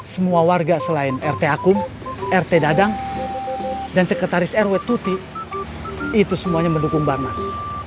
semua warga selain rt akum rt dadang dan sekretaris rw tuti itu semuanya mendukung banmas